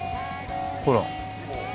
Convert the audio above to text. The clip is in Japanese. ほら。